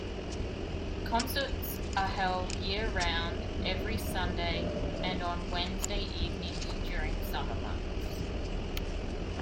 Concerts are held year round every Sunday and on Wednesday evenings during summer months.